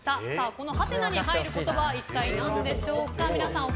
このはてなに入る言葉は一体なんでしょうか。